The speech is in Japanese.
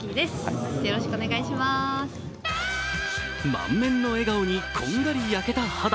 満面の笑顔にこんがり焼けた肌。